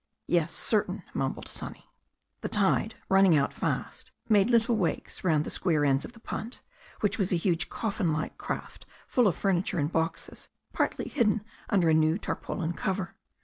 "Yes, certain," mumbled Sonny. The tide, running out fast, made little wakes round the square ends of the punt, which was a huge coffin like craft full of furniture and boxes partly hidden under a new tar paulin cover.